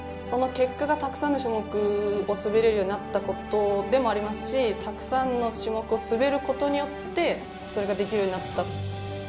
その結果がたくさんの種目を滑れるようになったことでもありますし、たくさんの種目を滑ることによって、それができるようになった。